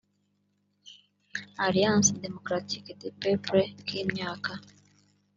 alliance d mocratique des peuples k imyaka